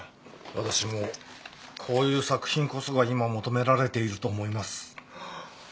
私もこういう作品こそが今求められていると思います。